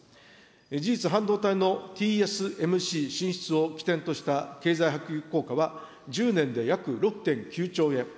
事実、半導体のＴＳＭＣ進出を起点とした経済波及効果は１０年で約６．９兆円。